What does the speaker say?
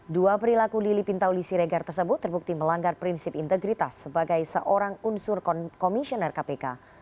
dua perilaku lili pintauli siregar tersebut terbukti melanggar prinsip integritas sebagai seorang unsur komisioner kpk